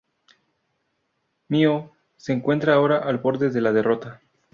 Miho se encuentra ahora al borde de la derrota.